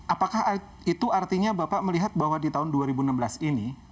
apakah itu artinya bapak melihat bahwa di tahun dua ribu enam belas ini